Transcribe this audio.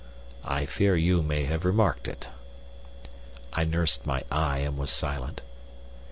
I fear you may have remarked it." I nursed my eye and was silent.